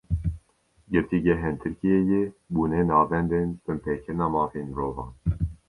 Girtîgehên Tirkiyeyê bûne navendên binpêkirina mafên mirovan.